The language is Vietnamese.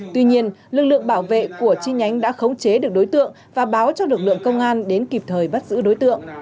tuy nhiên lực lượng bảo vệ của chi nhánh đã khống chế được đối tượng và báo cho lực lượng công an đến kịp thời bắt giữ đối tượng